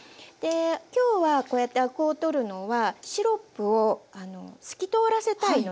今日はこうやってアクを取るのはシロップを透き通らせたいので。